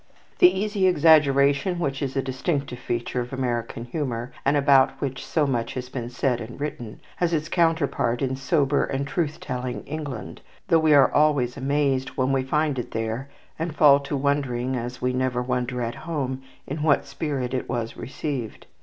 The easy exaggeration which is a distinctive feature of American humour, and about which so much has been said and written, has its counterpart in sober and truth telling England, though we are always amazed when we find it there, and fall to wondering, as we never wonder at home, in what spirit it was received.